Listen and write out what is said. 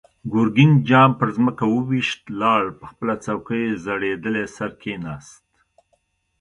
ګرګين جام پر ځمکه و ويشت، لاړ، په خپله څوکۍ زړېدلی سر کېناست.